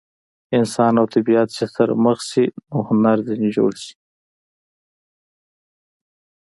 انسان او طبیعت چې سره جمع شي نو هنر ځینې جوړ شي.